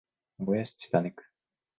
名古屋市千種区